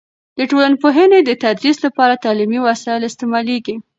د ټولنپوهنې د تدریس لپاره تعلیمي وسایل استعمالیږي.